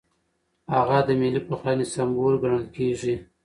هغه د ملي پخلاینې سمبول ګڼل کېږي.